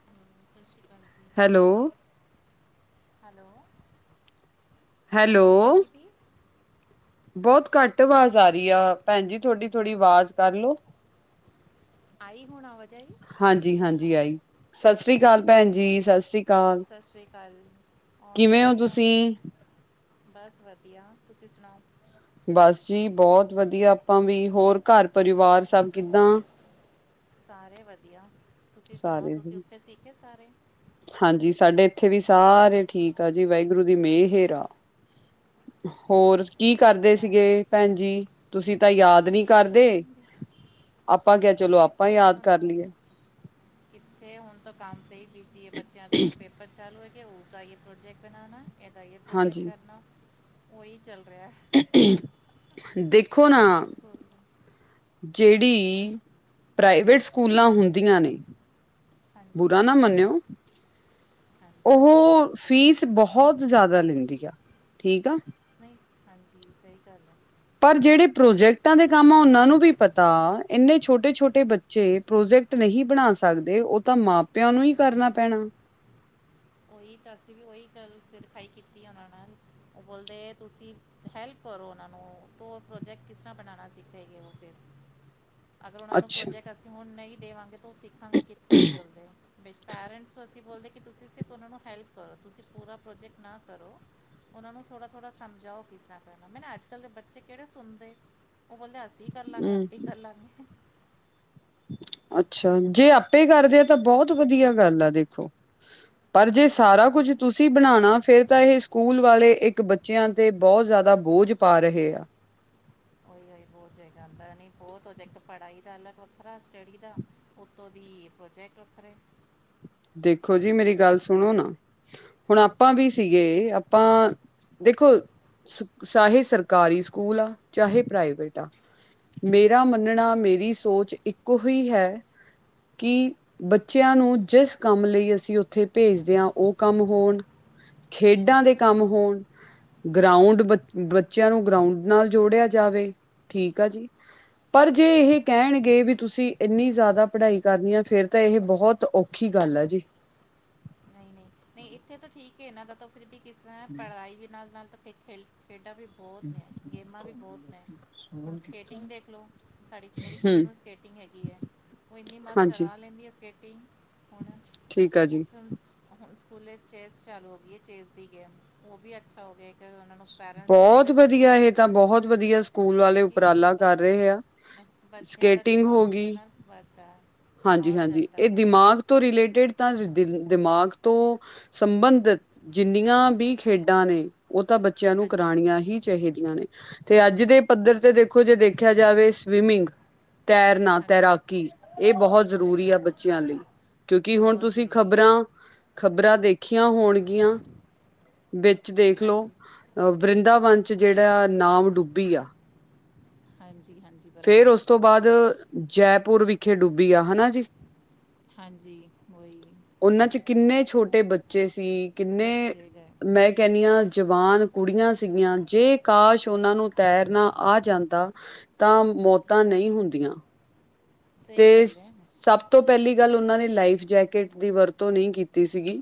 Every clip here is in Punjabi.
ਹ ਸਤਿ ਸ਼੍ਰੀ ਕਾਲ ਜੀ। ਹੈਲੋ, ਹੈਲੋ, ਆਵਾਜ ਆਦੀ ਪਈ? ਬੋਤ ਘਾੱਟ ਅਵਾਜ਼ ਆ ਰਈ ਆ ਭੈਨ ਜੀ ਤੁਹਾਡੀ ਥੋੜ੍ਹੀ ਵਾਜ਼ ਕਰ ਲੋੋ। ਆਈ ਹੁਨ ਅਵਾਜ ਆਈ। ਹਾਂਜੀ -ਹਾਂਜੀ ਆਈ ਸਤਿ ਸ੍ਰੀ ਕਾਲ ਭੈਣ ਜੀ। ਬਸ ਸਤਿ ਸ੍ਰੀ ਅਕਾਲ ਸਤਿ ਸ਼੍ਰੀ ਕਾਲ। ਔਰ ਹੋ ਕਿਵੇਂ ਔ, ਤੁਸੀਂ? ਬਸ ਵਦੀਆ ਤੁਸੀਂ ਸੁਨਾਔ? ਬਸ ਜੀ ਬੋਤ ਵਧੀਆ ਆਪਾਂ ਵੀ ਹੋਰ ਘਰ -ਪਰਿਵਾਰ ਸਭ ਕਿੱਦਾਂ? ਸਾਰੇ ਵਧੀਆ, ਤੁਸੀਂ ਸੁਨਾਔ ਸਾਰੇ ਤੁਸੀਂ ਜੀ ਉੱਥੇ ਸੀਖੇ ਸਾਰੇ? ਹਾਂਜੀ ਸਾਡੇ ਇੱਥੇ ਵੀ ਸਾਰੇ ਠੀਕ ਆਜੀ ਵਾਹਿਗੁਰੂ ਦੀ ਮੇਹ ਹੇ ਰ। ਓਕੇ ਜੀ ਹੋਰ ਕੀ ਕਰਦੇ ਵਧੀਆ ਹੈ। ਸੀਗੇ ਭੈਣ ਜੀ ਤੁਸੀਂ ਤਾਂ ਯਾਦ ਨੀ ਕੁਛ ਕਰਦੇ। ਨਹੀਂ ਆਪਾਂ ਕਯਾ ਚਲੋ ਆਪਾਂ ਕਿੱਥੇ ਯਾਦ ਹੁਣ ਕਰ ਤੋਂ ਲਈਐ। ਕਿੱਥੇ ਹੁਨ ਤਾਂ ਕਾੰਮ ਤੇ ਹੀ ਬੀਜੀ ਐ ਬੱਚਿਆਂ ਦੇ ਹੁਨ ਪੇਪਰ ਚਲ ਰਹੈ। ਕਿ ਉਸਦਾ ਇਹ ਪ੍ਰੋਜੈਕਟ ਬਨਾਨਾਐ, ਇਹਦਾ ਇਹ ਪ੍ਰੋਜੈਕਟ ਹਾਂਜੀ ਕਰਨਾ, ਉਹਹੀ ਚੱਲ ਰਿਹਾ। ਦੇਖੋ ਨਾ। ਸਕੂਲ। ਜੇੜੀ ਪ੍ਰਾਈਵੇਟ ਸਕੂਲਾਂ ਹੁੰਦੀਆਂ ਨੇ। ਹਾਂਜੀ ਬੁਰਾ ਨਾ ਮੰਨਿਓ। ਹਾਂਜੀ ਉਹ ਫੀਸ ਬੋਹਤ ਜ਼ਆਦਾ ਲੈਂਦੀ ਆ, ਠੀਕ ਆ। ਨਹੀ। ਹਾਂਜੀ, ਸਹੀ ਗੱਲ ਹੈ। ਪਰ ਜੇੜੇ ਪ੍ਰੋਜੈਕਟਾਂ ਦੇ ਕੰਮ ਓਨਾਂ ਨੂੰ ਵੀ ਪਤਾ, ਏਨੇ ਛੋਟੇ-ਛੋਟੇ ਬੱਚੇ ਜੇ ਪ੍ਰੋਜੈਕਟ ਨਹੀਂ ਬਣਾ ਸਕਦੇ ਓ ਤਾਂ ਮਾਪਿਆਂ ਨੂੰ ਈ ਕਰਨਾ ਪੈਣਾ। ਓਈ ਤਾਂ, ਅਸੀਂ ਵੀ ਓਈ ਗੱਲ ਸਿਰਖਾਈ ਕੀਤੀ ਆ ਓਨਾਂ ਨਾਲ। ਓ ਬੋਲਦੇ ਤੁਸੀਂ ਹੈਲਪ ਕਰੋ ਓਨਾ ਨੂੰ, ਤੋ ਓ ਪ੍ਰੋਜੈਕਟ ਕਿਸ-ਰ੍ਹਾਂ ਬਣਾਣਾ ਸਿੱਖੇਗੀ ਓ ਫਿਰ। [inaudible] ਅਗਰ, ਓਨਾ ਨੂੰ ਅੱਛਾ ਪ੍ਰੋਜੈਕ ਅਸੀਂ ਹੁਣ ਨਹੀਂ ਦੇਵਾਂਗੇ, ਤਾਂ ਓ ਸਿੱਖ ਹਾਂਜੀ, ਕਿੱਥੋਂ ਦੀ ਬੋਲਦੇ ਓ? ਪੈਰੈਂਟਸ ਅਸੀਂ ਬੋਲਦੇ ਕੇ ਤੁਸੀਂ ਸਿ ਓਨਾ ਨੂੰ ਹੈਲਪ ਕਰੋ, ਤੁਸੀਂ ਪੂਰਾ ਪ੍ਰੋਜੈਕਟ ਨਾ ਕਰੋ। ਓਨਾ ਨੂੰ ਥੋੜਾ-ਥੋੜ੍ਹਾ ਸਮਝਾਓ, ਕਿਸ-ਰਾ ਕਰਨਾ, ਅੱਜ- ਕੱਲ੍ਹ ਦੇ ਬੱਚੇ ਕਿਹੜੇ ਸੁਣਦੇ। ਓ ਬੋਲਦੇ ਅਸੀਂ ਕਰ ਲਾਗੇ, ਹਮ ਆਪ ਈ ਕਰ ਲਾਂਗੇ। ਅੱਛਾ, ਜੇ ਆਪੇ ਕਰਦੇ ਆ ਤਾਂ ਬੋਹਤ ਵਧੀਆ ਗੱਲ ਆ ਦੇਖੋ। ਪਰ, ਜੇ ਹਾਂਜੀ ਗੱਲ ਸਾਰਾ ਤਾਂ ਕੁੱਝ ਤੁਸੀਂ ਹੈ ਤੁਸੀਂ ਬਣਾਣਾ, ਫੇਰ ਤਾਂ ਏਹ ਸਕੂਲ ਵਾਲੇ ਇੱਕ ਬੱਚਿਆਂ ਤੇ ਬੋਹਤ ਜਾਆਦਾ ਬੋਝ ਪਾ ਰਹੇ ਆ। ਓਈ- ਓਈ, ਬੋਜ ਹੈਗਾ ਇੱਕ ਪੜ੍ਹਾਈ ਦਾ ਅਲੱਗ ਵੱਖਰਾ, ਸਟੱਡੀ ਦਾ ਉੱਤੋਂ ਦੀ ਪ੍ਰੋਜੈਕਟ ਵੱਖਰੇ। ਦੇਖੋ ਜੀ ਮੇਰੀ ਗੱਲ ਸੁਣੋ ਨਾ, ਹੁਣ ਆਪਾਂ ਹਾਂਜੀ ਵੀ ਸੀਗੇ ਪਾ ਦੇਖੋ ਚਾਹੇ ਸਰਕਾਰੀ ਸਕੂਲ ਆ, ਚਾਹੇ ਪ੍ਰਾਈਵੇਟ ਆ ਮੇਰਾ ਮੰਨਣਾ, ਮੇਰੀ ਸੋਚ, ਇੱਕੋ ਹੀ ਹੈ ਕੀ ਬੱਚਿਆਂ ਨੂੰ ਜਿਸ ਕੰਮ ਲਈ ਅਸੀ ਓਥੇ ਭੇਜਦੇ ਆ ਓ ਕੰਮ ਹੋਨ, ਖੇਡਾਂ ਦੇ ਕੰਮ ਹੋਨ ਗਰਾਊਂਡ ਬ ਬੱਚਿਆਂ ਨੂੰ ਗਰਾਊਂਡ ਨਾਲ ਜੋੜਆ ਜਾਵੇ, ਠੀਕ ਆ ਜੀ। ਪਰ ਜੇ ਇਹੈ ਕੈਣਗੇ ਵੀ ਤੁਸੀ ਇੰਨੀ ਜ਼ਆਦਾ ਪੜਾਈ ਕਰਨੀ ਆ, ਫੇਰ ਤੇ ਏਹ ਬੋਹਤ ਔਖੀ ਕੀ ਗੱਲ ਆ ਜੀ। ਨਈ-ਨਈ। ਨਈ ਐਥੇ ਤਾਂ ਠੀਕ ਏ ਏਨਾ ਦਾ ਤਾ ਫਿਰ ਵੀ ਕਿਸਰਾ ਪੜਾਈ ਵੀ ਨਾਲ-ਨਾਲ ਤਾ ਖੇ-ਖੇਲ-ਖੇਡਾਂ ਵੀ ਬੋਤ ਨੇ ਗੇਮਾ ਵੀ ਬੋਤ ਨੇ। ਹੁਨ ਸਕੇਟਿੰਗ ਦੇਖ ਲੋ ਸਾਡੀ ਮੇਰੀ ਕੁੜੀਆ ਹਮ ਨੂੰ ਸਕੇਟਿੰਗ ਹੈਗੀ ਏ। ਓ ਏਨੀ ਮਸਤ ਹਾਂਜੀ ਚਲਾ ਲੈਂਦੀ ਐ ਸਕੇਟਿੰਗ ਹੁਣ ਠੀਕ ਆ ਜੀ ਹੂੰ ਹੁਨ ਸਕੂਲੇ ਚੈਸ ਚਾਲੂ ਹੋ ਗਈ ਏ ਚੇਸ ਦੀ ਗੇਮ ਓ ਵੀ ਅੱਛਾ ਹੋ ਗੇ ਓਹਨਾ ਨੂ ਪੇਰੈਂਟਸ ਨੇ ਬਹੁਤ ਬੋਲਆ ਸੀ ਕਿ ਵਧੀਆ ਹੁਨ ਇਹ ਤਾਂ ਬਹੁਤ ਵਧੀਆ ਸਕੂਲ ਵਾਲੇ [unintelligible] ਕਿ ਉਪਰਾਲਾ ਕਰ ਰਹੇ ਆ ਬਟ ਬੱਚਿਆਂ ਦਾ ਸਕੇਟਿੰਗ ਹੋ ਦਿਮਾਗ ਉਸ ਦੇ ਗਈ ਨਾਲ ਵਧਦਾ ਐ। ਹਾਂਜੀ ਹਾਂਜੀ ਏ ਦਿਮਾਗ ਤੋਂ ਰਿਲੇਟਿਡ ਤਾਂ ਦਿ-ਦਿ- ਦਿਮਾਗ ਤੋਂ ਸੰਬੰਧਿਤ ਜਿੰਨੀਆ ਵੀ ਖੇਡਾਂ ਨੇ ਓ ਤਾਂ ਬੱਚਿਆਂ ਨੂੰ ਹਾਂਜੀ ਕਰਾਣੀਆਂ ਹੀ ਚਾਹੀਦੀਆਂ ਨੇ ਤੇ ਅੱਜ ਦੇ ਪੱਧਰ ਤੇ ਦੇਖੋ ਜੇ ਦੇਖਿਆ ਜਾਵੇ ਤੇ ਸਵੀਮਿੰਗ ਤੈਰਨਾ ਹਾਂਜੀ ਤੈਰਾਕੀ ਏ ਬੋਹੋਤ ਉਹੀ ਜ਼ਰੂਰੀ ਆ ਬੱਚਿਆਂ ਲਈ ਕਿਉਂਕਿ ਹੁਨ ਬਹੁਤ ਤੁਸੀ ਜ਼ਰੂਰੀ ਖ਼ਬਰਾ ਹੈ ਖਬਰਾਂ ਦੇਖੀਆਂ ਹੋਣਗੀਆਂ, ਵਿੱਚ ਦੇਖਲੋ ਹਾਂਜੀ ਅ ਵਰਿੰਦਾਵਨ ਚ ਜੇਹੜਾ ਨਾਵ ਡੁੱਬੀ ਆ। ਹਾਂਜੀ ਹਾਂਜੀ। ਫੇਰ ਬਰਾਬਰ ਉਸ ਤੋਂ ਬਾਦ ਜੈਪੁਰ ਵਿਖੇ ਡੁੱਬੀ ਆ ਹਨਾ ਜੀ। ਹਾਂਜੀ ਓਈ। ਓਨਾਂ ਚ ਕਿੰਨੇ ਛੋਟੇ ਬੱਚੇ ਸੀ ਕਿੰਨੇ ਮੈਂ ਕੈਨੀਆਂ ਜਵਾਨ ਕੁੜੀਆਂ ਸੀਗੀਆਂ, ਜੇ ਕਾਸ਼ ਓਨਾਂ ਨੂੰ ਤੈਰਨਾ ਆ ਜਾਂਦਾ ਤਾਂ ਮੌਤਾਂ ਨਈ ਹੁੰਦੀਆਂ। ਤੇ ਸਭ ਤੋ ਪੇਲੀ ਗੱਲ, ਓਨਾ ਨੇ ਲਾਈਫ ਜੈਕਟ ਦੀ ਵਰਤੋ ਨਈ ਕੀਤੀ ਸੀਗੀ।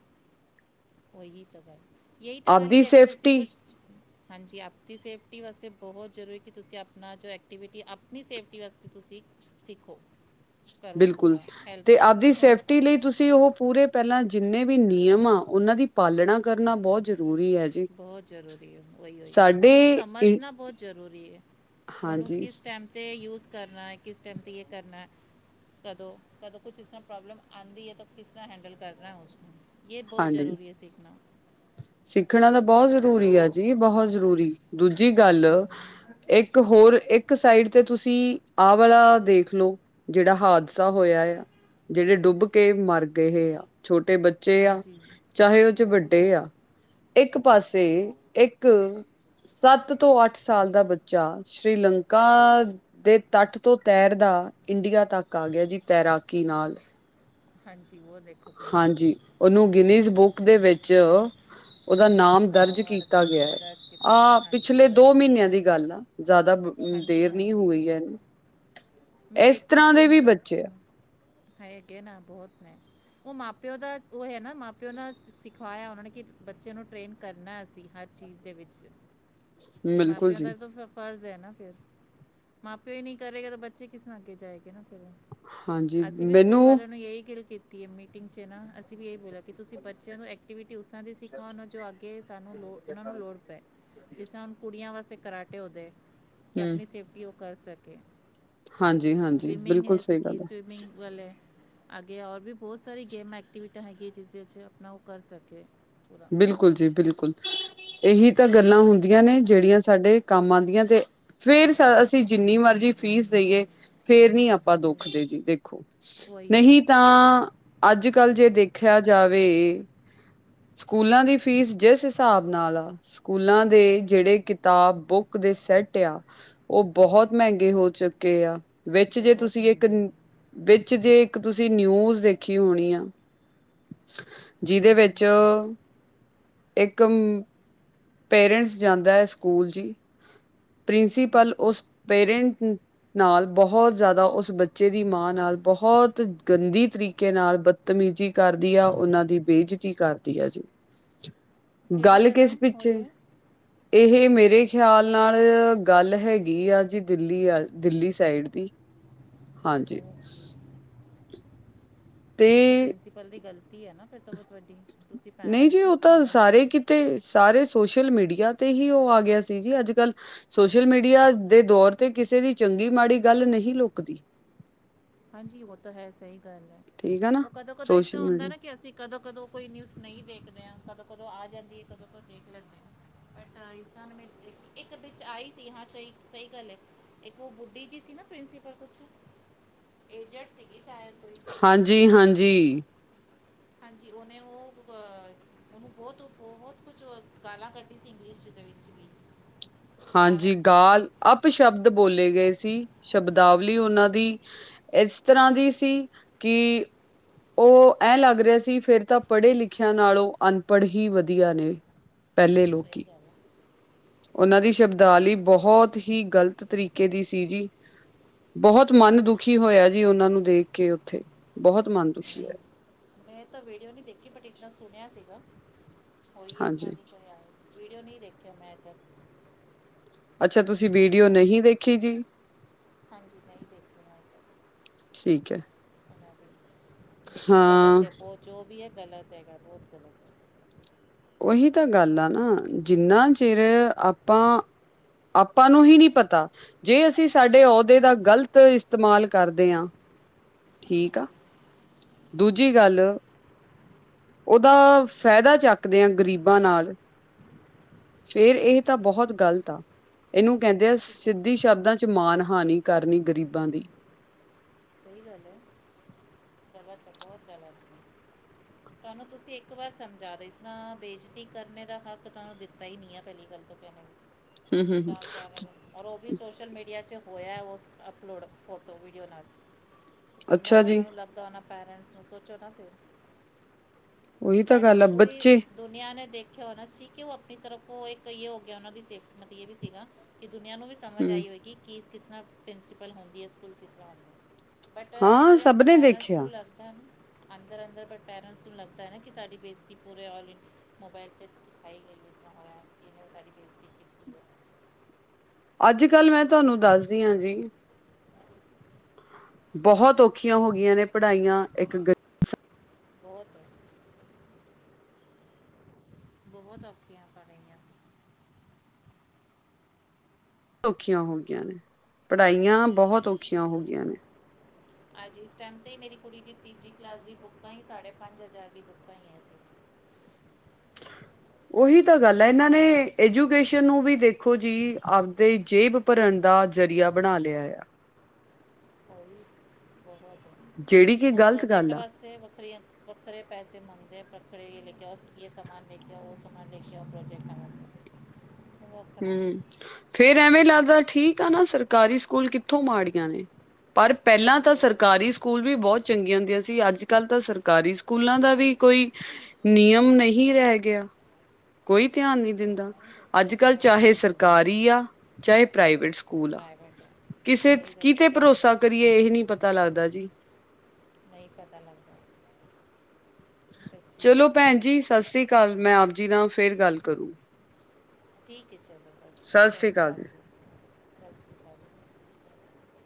ਓਹੀ ਤਾ ਗੱਲ, ਯਹੀ ਤੋ ਗੱਲ ਏ ਆਪਦੀ ਕਿ ਅਗਰ ਤੁਸੀ ਸੇਫਟੀ ਕੁਛ ਹਾਂਜੀ ਅਪਤੀ ਸੇਫਟੀ ਵਾਸਤੇ ਬੋਹੋਤ ਜਰੂਰੀ ਕਿ ਤੁਸੀ ਅਪਨਾ ਜੋ ਐਕਟੀਵਿਟੀ ਅਪਨੀ ਸੇਫਟੀ ਵਸਤੇ ਤੁਸੀ ਸਿੱਖੋ। ਕਰੋ ਬਿਲਕੁਲ ਪੂਰਾ ਤੇ ਆਵਦੀ ਹੈਲਪ ਹੁਣ ਸੇਫਟੀ ਲਈ ਤੁਸੀ ਓ ਪੂਰੇ ਪਹਿਲਾ ਜਿੰਨੇ ਵੀ ਨਿਯਮ ਆ, ਓਨਾਂ ਦੀ ਪਾਲਣਾ ਕਰਨਾ ਬੋਹੋਤ ਜਰੂਰੀ ਐ ਜ ਬੋਹੋਤ ਜਰੂਰੀ ਏ ਓਹੀ ਓਹੀ, ਓਹਨੂੰ ਇ ਸਮਝਨਾ ਬੋਤ ਜਰੂਰੀ ਏ। ਓਨੂੰ ਹਾਂਜੀ ਕਿਸ ਟੇਮ ਤੇ ਯੂਜ਼ ਕਰਨਾ ਐ ਕਿਸ ਟੇਮ ਤੇ ਯੇ ਕਰਨਾ ਐ। ਕਦੋਂ ਕਦੋ ਕੁਛ ਇਸਰਾ ਪ੍ਰੋਬਲਮ ਆਂਦੀ ਏ ਤਾਂ ਕਿਸਰਾ ਹੈਂਡਲ ਕਰਨਾ ਐ ਓਸਨੂੰ। ਯੇ ਬੋਹੋਤ ਹਾਂਜੀ ਜਰੂਰੀ ਏ ਸੀਖਨਾ। ਸਿੱਖਣਾ ਤਾਂ ਬਹੁ ਜ਼ਰੂਰੀ ਆ ਜੀ ਬਹੁ ਜ਼ਰੂਰੀ ਦੂਜੀ ਗੱਲ ਇੱਕ ਹੋਰ, ਇੱਕ ਸਾਈਡ ਤੇ ਤੁਸੀ ਆ ਵਾਲਾ ਦੇਖ ਲੋ। ਜੇੜਾ ਹਾਦਸਾ ਹੋਇਆ ਯਾ ਜੇੜੇ ਡੁੱਬ ਕੇ ਮਰ ਗਹੇ ਆ। ਛੋਟੇ ਬੱਚੇ ਆ ਹਾਂਜੀ ਚਾਹੇ ਓ ਚ ਉਹੀ ਵੱਡੇ ਆ। ਇੱਕ ਪਾਸੇ ਇੱਕ ਸੱਤ ਤੋਂ ਅੱਠ ਸਾਲ ਦਾ ਬੱਚਾ ਸ਼੍ਰੀਲੰਕਾ ਦੇ ਤੱਟ ਤੋਂ ਤੈਰਦਾ ਇੰਡੀਆ ਤੱਕ ਆ ਗਿਆ ਜੀ, ਤੈਰਾਕੀ ਨਾਲ। ਹਾਂਜੀ, ਵੋਹ ਦੇਖ ਹਾਂਜੀ, ਉਹਨੂੰ ਗਿੰਨੀਜ਼ ਬੁੱਕ ਦੇ ਵਿੱਚ ਉਹਦਾ ਨਾਮ ਉਸਨੂੰ ਦਰਜ ਅਵਾਰਡ ਕੀਤਾ ਗਿਆ ਵੀ ਹੈ। ਦਰਜ ਕੀਤਾ ਗਿਆ ਆਹ, ਹਾਂਜੀ ਪਿਛਲੇ ਵਹੀ ਦੋ ਮਹੀਨਿਆਂ ਦੀ ਗੱਲ ਆ। ਜ਼ਿਆਦਾ ਹਾਂਜੀ ਦੇਰ ਨਹੀਂ ਹਾਂਜੀ ਹੋਈ ਹੈ ਮੈਂ ਇਸ ਦੇਖੀ ਸੀ ਤਰ੍ਹਾਂ ਇਹ ਦੇ ਵੀ ਨਿਊਜ਼ ਬੱਚੇ ਆ ਹੈਗੇ ਨਾ ਬਹੁਤ ਨੇ। ਉਹ ਮਾਂ ਪਿਓ ਦਾ ਉਹ ਹੈ ਨਾ, ਮਾਂ ਪਿਓ ਨਾਲ ਸਿਖਾਇਆ ਉਹਨਾਂ ਨੇ ਕਿ ਬੱਚੇ ਨੂੰ ਟ੍ਰੇਨ ਕਰਨਾ ਅਸੀਂ, ਹਰ ਚੀਜ਼ ਦੇ ਵਿੱਚ ਕਿ ਬਿਲਕੁਲ ਮਾਪਿਓ ਦਾ ਜੀ ਵੀ ਫ ਰਜ਼ ਹੈ ਨਾ ਫੇਰ। ਮਾਪਿਓ ਹੀ ਨਹੀਂ ਕਰੇਗਾ ਤਾਂ ਬੱਚੇ ਕਿਸ ਤਰ੍ਹਾਂ ਅੱਗੇ ਜਾਏਗੇ ਨਾ ਫਿਰ ਹਾਂਜੀ ਅਸੀਂ ਵੀ ਸਕੂਲ ਮੈਨੂੰ ਵਾਲਿਆਂ ਨੂੰ ਯਹੀ ਗਿੱਲ ਕੀਤ ਕੀ ਮੀਟਿੰਗ ਚ ਨਾ ਅਸੀਂ ਵੀ ਇਹ ਬੋਲਿਆ ਕਿ ਤੁਸੀਂ ਬੱਚਿਆਂ ਨੂੰ ਐਕਟੀਵਿਟੀ ਉਸ ਤਰ੍ਹਾਂ ਦੀ ਸਿਖਾਓ, ਉਹਨਾਂ ਦੀ ਜੋ ਅੱਗੇ ਸਾਨੂੰ ਲੋੜ, ਉਹਨਾਂ ਨੂੰ ਲੋੜ ਪਏ ਜਿਸ ਤਰਾ ਹੁਣ ਕੁੜੀਆਂ ਵਾਸਤੇ ਕਰਾਟੇ ਹੋ ਗਏ। ਕਿ ਹੂੰ ਆਪਣੀ ਸੇਫਟੀ ਉਹ ਕਰ ਸਕੇ। ਹਾਂਜੀ ਹਾਂਜੀ ਸਵੀਮਿੰਗ ਬਿਲਕੁਲ ਹੈ ਸਹੀ ਸਿੱਖੀ, ਗੱਲ ਸਵੀਮਿੰਗ ਵੱਲ ਹੈ। ਅੱਗੇ ਹੋਰ ਵੀ ਬਹੁਤ ਸਾਰੀ ਗੇਮ ਐਕਟੀਵਿਟੀਆਂ ਹੈਗੀ ਜਿਸਦੇ ਵਿੱਚ ਆਪਣਾ ਉਹ ਕਰ ਸਕੇ, ਪੂਰਾ। ਬਿਲਕੁਲ ਜੀ ਬਿਲਕੁਲ ਇਹੀ ਤਾਂ ਗੱਲਾਂ ਹੁੰਦੀਆਂ ਨੇ ਜਿਹੜੀਆਂ ਸਾਡੇ ਕੰਮ ਆਨਦੀਆਂ ਤੇ ਫੇਰ ਅਸੀਂ ਜਿੰਨੀ ਮਰਜ਼ੀ ਫੀਸ ਦੇਈਏ, ਫੇਰ ਨਹੀਂ ਆਪ ਆਪਾਂ ਦੁੱਖਦੇ ਜੀ ਦੇਖੋ, ਉਹੀ ਉਹੀ ਉਹੀ ਨਹੀਂ ਸਹੀ ਗੱਲ ਤਾਂ ਹੈ ਅੱਜ ਕੱਲ ਜੇ ਦੇਖਿਆ ਜਾਵੇ ਸਕੂਲਾਂ ਦੀ ਫੀਸ ਜਿਸ ਹਿਸਾਬ ਨਾਲ ਆ। ਸਕੂਲਾਂ ਦੇ ਜਿਹੜੇ ਕਿਤਾਬ, ਬੁੱਕ ਦੇ ਸੈਟ ਆ। ਉਹ ਬਹੁਤ ਮਹਿੰਗੇ ਹੋ ਚੁੱਕੇ ਆ ਵਿੱਚ ਜੇ ਬਹੁਤ ਤੁਸੀਂ ਇੱਕ ਮਹਿੰਗੇ ਹੈ ਵਿੱਚ ਜੇ ਇੱਕ ਤੁਸੀਂ ਨਿਊਜ਼ ਦੇਖੀ ਹੋਣੀ ਆ ਜਿਦੇ ਹਾਂਜੀ ਵਿੱਚ ਇੱਕ ਪੇਰੈਂਟਸ ਜਾਂਦਾ ਹੈ ਸਕੂਲ ਜੀ, ਪ੍ਰਿੰਸੀਪਲ ਹਾਂਜੀ ਉਸ ਪੇਰੈਂਟ ਨੂੰ ਨਾਲ ਬਹੁਤ ਜ਼ਿਆਦਾ, ਉਸ ਬੱਚੇ ਦੀ ਮਾਂ ਨਾਲ ਬਹੁਤ ਗੰਦੀ ਤਰੀਕੇ ਨਾਲ ਬਤ ਮੀਜ਼ੀ ਕਰਦੀ ਆ ਉਹਨਾਂ ਦੀ ਬੇਇਜ਼ਤੀ ਕਰਦੀ ਆ ਜੀ। ਕਿਹੜੀ ਗੱਲ ਜਗ੍ਹਾ ਕਿਸ ਹੋਈ ਪਿੱਛੇ? ਹੈ ਇਹੇ ਮੇਰੇ ਖਿਆਲ ਨਾਲ ਗੱਲ ਹੈਗੀ ਆ ਜੀ, ਦਿੱਲੀ ਅੱਲ, ਦਿੱਲੀ ਸਾਈਡ ਦੀ। ਹਾਂਜੀ। ਉਹ ਫਿਰ ਤਾਂ ਤੇ ਪ੍ਰਿੰਸੀਪਲ ਦੀ ਗਲਤੀ ਹੈ ਨਾ ਫਿਰ ਤੋਂ ਬਹੁਤ ਵੱਡੀ, ਤੁਸੀਂ ਪੈਰੈਂਟਸ ਨੂੰ ਸਮਝ ਕੀ ਤੇ ਸਾਰੇ ਸੋਸ਼ਲ ਮੀਡੀਆ ਤੇ ਹੀ ਉਹ ਆ ਗਿਆ ਸੀ ਜੀ ਅੱਜ ਕੱਲ੍ਹ ਸੋਸ਼ਲ ਮੀਡੀਆ ਦੇ ਦੌਰ ਤੇ ਕਿਸੇ ਦੀ ਚੰਗੀ ਮਾੜੀ ਗੱਲ ਨਹੀਂ ਲੁਕਦੀ। ਹਾਂਜੀ, ਵੋਹ ਤੋ ਹੈ, ਸਹੀ ਗੱਲ ਹੈ ਠੀਕ ਹੈ ਨਾ ਉਹ ਕਦੋਂ ਕਦੋਂ ਇਸ ਸੋਸ਼ਲ ਤਰ੍ਹਾਂ ਹੁੰਦਾ ਮੀਡੀਆ ਨਾ ਕਿ ਅਸੀਂ ਕਦੋਂ ਕਦੋਂ ਕੋਈ ਨਿਊਜ਼ ਨਹੀਂ ਦੇਖਦੇ ਆ ਕਦੋਂ ਕਦੋਂ ਆ ਜਾਂਦੀ ਹੈ ਕਦੋਂ ਕਦੋਂ ਦੇਖ ਲੈਂਦੇ ਆ ਬਟ ਆਈ ਸਾਮਨੇ ਇੱਕ ਵਿੱਚ ਆਈ ਸੀ ਹਾਂ ਸਹੀ ਸਹੀ ਗੱਲ ਹੈ ਇੱਕ ਉਹ ਬੁੱਢੀ ਜੀ ਸੀ ਨਾ ਪ੍ਰਿੰਸੀਪਲ ਕੁਛ ਏਜੰਟ ਸੀਗੀ ਸ਼ਾਇਦ ਕੋਈ ਹਾਂਜੀ ਹਾਂਜੀ ਹਾਂਜੀ ਉਹਹਨੇ ਉਹ ਬੁਕਾ ਏ ਉਹਨੂੰ ਬਹੁਤ ਬਹੁਤ ਕੁਝ ਗਾਲਾਂ ਕੱਢ ਸੀ ਇੰਗਲਿਸ਼ ਦੇ ਵਿੱਚ ਵੀ ਹਾਂਜੀ ਪੈਰੈਂਟਸ ਨੂੰ ਗਾਲ ਅਪ ਸ਼ਬਦ ਬੋਲੇ ਗਏ ਸੀ ਸ਼ਬਦਾਵਲੀ ਹਾਂਜੀ ਉਹਨਾਂ ਦੀ ਇਸ ਤਰ੍ਹਾਂ ਦੀ ਸੀ ਕਿ ਉਹ ਐਂ ਲੱਗ ਰਿਹਾ ਸੀ ਫੇਰ ਤਾਂ ਪੜ੍ਹੇ ਲਿਖਿਆ ਨਾਲੋਂ ਅਨਪੜ੍ਹ ਹੀ ਵਧੀਆ ਨੇ। ਪਹਿਲੇ ਸਹੀ ਲੋਕੀ ਗੱਲ ਹੈ ਉਹਨਾਂ ਦੀ ਸ਼ਬਦਾਵਾਲਲੀ ਬਹੁਤ ਹੀ ਗ਼ਲਤ ਤਰੀਕੇ ਦੀ ਸੀ ਜੀ ਬਹੁਤ ਮਨ ਦੁਖੀ ਹੋਇਆ ਜੀ ਉਹਨਾਂ ਨੂੰ ਦੇਖ ਕੇ ਉੱਥੇ ਬਹੁਤ ਮਨ ਦੁਖੀ ਨਹੀਂ ਹੋਇਆ। ਮੈਂ ਤਾਂ ਵੀਡੀਓ ਨਹੀਂ ਦੇਖੀ ਬਟ ਇੱਦਾ ਸੁਣਿਆ ਸੀਗਾ ਹੋਈ ਇਸ ਤਰਾਂ ਹਾਂਜੀ ਦੀ ਵੀਡੀਓ ਨਹੀਂ ਦੇੇਖਿਆ ਮੈਂੱ ਤਾਂ। ਅੱਛਾ ਤੁਸੀਂ ਵੀਡੀਓ ਨਹੀਂ ਦੇਖੀ ਜੀ। ਹਾਂਜੀ ਮੈਂ ਦੇਖਦੀ। ਠੀਕ ਹੈ। ਉਹਨਾਂ ਦੀ ਲੇਕਿਨ ਗ਼ਲਤ ਹਾਂ ਹੈ ਬਹੁਤ ਜੋ ਵੀ ਹੈ ਗ਼ਲਤ ਹੈਗਾ ਬਹੁਤ ਗ਼ਲਤ ਹੈ। ਉਹੀ ਤਾਂ ਗੱਲ ਆ ਨਾ ਜਿੰਨਾ ਚਿਰ ਆਪਾਂ ਆਪਾਂ ਨੂੰ ਹੀ ਨਹੀਂ ਪਤਾ। ਜੇ ਅਸੀਂ ਸਾਡੇ ਅਹੁਦੇ ਦਾ ਗ਼ਲਤ ਇਸਤੇਮਾਲ ਕਰਦੇ ਹਾਂ ਠੀਕ ਆ ਹਾਂਜੀ ਦੂਜੀ ਗੱਲ ਉਹਦਾ ਫਾਇਦਾ ਚੱਕਦੇ ਹਾਂ ਗ਼ਰੀਬਾਂ ਨਾਲ ਫੇਰ ਇਹ ਤਾਂ ਹਾਂਜੀ ਬਹੁਤ ਗ਼ਲਤ ਆ। ਇਹਨੂੰ ਕਹਿੰਦੇ ਆ ਸੱਚੀ ਸਿੱਧੀ ਬਹੁਤ ਸ਼ਬਦਾਂ ਚ ਮਾਣ ਹਾਨੀ ਕਰਨੀ ਗਰੀਬਾਂ ਦੀ। ਸਹੀ ਗੱਲ ਹੈ ਗਲਤ ਬਹੁਤ ਗਲਤ। [inaudible] ਤੁਹਾਨੂੰ ਤੁਸੀਂ ਇੱਕ ਵਾਰ ਸਮਝਾ ਦਿ ਇਸ ਤਰ੍ਹਾਂ ਬੇਇਜ਼ਤੀ ਕਰਨੇ ਦਾ ਹੱਕ ਤੁਹਾਨੂੰ ਦਿੱਤਾ ਹੀ ਨਹੀਂ ਹੈ ਪਹਿਲੀ ਗੱਲ ਤਾਂ ਕਹਿੰਦੇ। [inaudible] ਹਮ [inaudible] ਔਰ ਉਹ ਵੀ ਸੋਸ਼ਲ ਮੀਡੀਆ 'ਚ ਹੋਇਆ ਉਸ ਅਪਲੋਡ ਫੋਟੋ ਵੀਡੀਓ ਨਾਲ। ਕਿੰਦਨਾ ਅੱਛਾ ਉਹਨਾਂ ਜੀ ਨੂੰ ਲੱਗਾ ਉਹਨਾਂ ਪੇਰੈਂਟਸ ਨੂੰ ਸੋਚੋ ਨਾ ਫਿਰ। ਕਿ ਉਹੀ ਤਾਂ ਸਾਡੀ ਗੱਲ ਵੀ ਆ ਪੂਰੀ ਬੱਚੇ ਦੁਨੀਆ ਨੇ ਦੇਖਿਆ ਹੋਣਾ ਸੀ ਕਿ ਉਹ ਆਪਣੀ ਤਰਫ ਉਹ ਕਈਏ ਹੋ ਗਿਆ ਉਹਨਾਂ ਦੀ ਸੇਫ ਮਤਲਬ ਇਹ ਵੀ ਸੀਗਾ ਕਿ ਦੁਨੀਆ ਨੂੰ ਵੀ ਸਮਝ ਹਮ ਆਈ ਹੋਏਗੀ ਕਿ ਕਿਸ ਤਰ੍ਹਾਂ ਪ੍ਰਿੰਸੀਪਲ ਹੁੰਦੀ ਹੈ ਸਕੂਲ ਕਿਸ ਤਰ੍ਹਾਂ ਹੁੰਦਾ। ਬਟ ਹਾਂ ਅੰਦਰ ਸਭ ਅੰਦਰ ਨੇ ਪੇਰੈਂਟਸ ਨੂੰ ਦੇਖਿਆ ਲੱ ਹੈ ਅੰਦਰ, ਅੰਦਰ ਬਟ ਪੈਰੈਂਟਸ ਨੂੰ ਲੱਗਦਾ ਹੈ ਨਾ ਕਿ ਸਾਡੀ ਬੇਇਜ਼ਤੀ ਪੂਰੇ ਆਲ ਇੰ ਮੋਬਾਇਲ ਚ ਦਿਖਾਈ ਗਈ ਹੋਇਆ ਇਹ ਸਾਡੀ ਬੇ ਅੱਜ ਕੱਲ੍ਹ ਮੈਂ ਤੁਹਾਨੂੰ ਦੱਸਦੀ ਹਾਂ ਜੀ [inaudible] ਬਹੁਤ ਔਖੀਆਂ ਹੋ ਗਈਆਂ ਨੇ ਪੜ੍ਹਾਈਆਂ ਇੱਕ ਬਹੁਤ ਬਹੁਤ ਔਖੀਆਂ ਕਰ ਰਹੀਆਂ ਸੀ। ਔਖੀਆਂ ਹੋ ਗਈਆਂ ਨੇ ਪੜ੍ਹਾਈਆਂ ਬਹੁਤ ਔਖੀਆਂ ਹੋ ਗਈਆਂ ਨੇ। ਹਾਂਜੀ ਇਸ ਟਾਈਮ 'ਤੇ ਹੀ ਮੇਰੀ ਕੁੜੀ ਦੀ ਤੀਜੀ ਕਲਾਸ ਦੀ ਬੁੱਕਾਂ ਹੀ ਸਾਢੇ ਪੰਜ ਹਜ਼ਾਰ ਦੀ ਬੁੱਕਾਂ ਹੀ ਅਸੀਂ ਉਹੀ ਤਾਂ ਗੱਲ ਹੈ ਇਹਨਾਂ ਨੇ ਐਜੂਕੇਸ਼ਨ ਨੂੰ ਵੀ ਦੇਖੋ ਜੀ ਆਪਦੇ ਜੇਬ ਭਰਨ ਦਾ ਜ਼ਰੀਆ ਬਣਾ ਲਿਆ ਆ। ਬਹੁਤ ਜਿਹੜੀ ਕਿ ਹੁਣ ਗ਼ਲਤ ਪ੍ਰੋਜੈਕਟ ਗੱਲ ਆ। ਵਾਸਤੇ ਵੱਖਰੀਆਂ ਵਖਰੇ ਪੈਸੇ ਮੰਗਦੇ ਪੱਖਰੇੇ ਲੈ ਕੇ ਆਓ ਯ ਸਮਾਨ ਲੈ ਕੇ ਆਉ ਉਹ ਸ ਸਮਾਨ ਲੈ ਕੇ ਆਉਓ ਪ੍ਰੋਜੈਕਟ ਆਣਾ ਹੂ ਫੇਰ ਐਵੇਂ ਲੱਗਦਾ ਠੀਕ ਆ ਨਾ ਸਰਕਾਰੀ ਸਕੂਲ ਕਿੱਥੋਂ ਮਾੜੀਆਂ ਨੇ। ਪਰ ਪਹਿਲਾਂ ਤਾਂ ਉਹੀ ਹੈ। ਸਰਕਾਰੀ ਸਕੂਲ ਵੀ ਬਹੁਤ ਚੰਗੀਆਂ ਹੁੰਦੀਆਂ ਸੀ ਅੱਜ ਕੱਲ੍ਹ ਤਾਂ ਸਰਕਾਰੀ ਸਕੂਲਾਂ ਦਾ ਵੀ ਕੋਈ ਨਿਯਮ ਨਹੀਂ ਰਹਿ ਗਿਆ ਕੋਈ ਧਿਆਨ ਨਹੀਂ ਸਹੀ ਹੈ, ਦਿੰਦਾ। ਨਹੀਂ ਅੱਜ ਦੇ- ਕੱਲ੍ਹ ਨਹੀਂ ਚਾਹੇ ਧਿਆਨ ਦਿੰਦੇ ਸਰਕਾਰੀ ਆ ਚਾਹੇ ਪ੍ਰਾਈਵੇਟ ਉਹ ਸਕੂਲ ਆ ਪ੍ਰਾਈਵੇਟ ਹੈ ਕਿਸੇ ਸਹੀ ਗੱਲ ਹੈ ਕਿਤੇ ਧਿਆਨ ਭਰੋਸਾ ਕਿਆ ਕਰੀਏ ਇਹੀ ਨੀ ਪਤਾ ਲੱਗਦਾ ਜੀ ਨਹੀਂ ਪਤਾ ਲੱਗਦਾ ਸੱਚੀ ਚਲੋ ਭੈਣ ਜੀ ਸਤਿ ਸ੍ਰੀ ਅਕਾਲ ਮੈਂ ਆਪ ਜੀ ਨਾ ਫੇਰ ਗੱਲ ਕਰੂੰ ਠੀਕ ਹੈ ਚਲੋ [unintelligible] ਸਤਿ ਸ਼੍ਰੀ ਅਕਾਲ ਜੀ ਸਤਿ ਸ਼੍ਰੀ ਅਕਾਲ ਜੀ